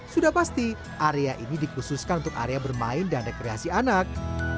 sudah pasti area ini dikhususkan untuk area bermain dan rekreasi anak